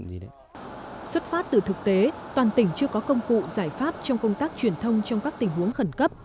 xuất phát từ thực tế toàn tỉnh chưa có công cụ giải pháp trong công tác truyền thông trong các tình huống khẩn cấp